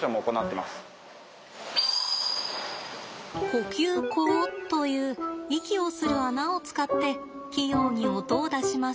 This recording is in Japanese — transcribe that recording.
呼吸孔という息をする穴を使って器用に音を出します。